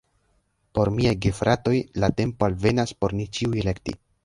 Por miaj gefratoj la tempo alvenas por ni ĉiuj elekti